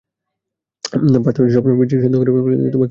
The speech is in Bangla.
পাস্তা সবসময় বেশি সেদ্ধ করে ফেলার জন্য তোমাকে বহিষ্কার করেছিলাম।